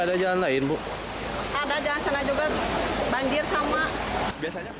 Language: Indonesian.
ada jalan sana juga banjir sama